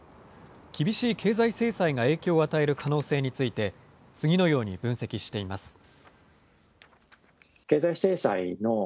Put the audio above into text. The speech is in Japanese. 厳しい経済制裁が影響を与える可能性について、次のように分析しています。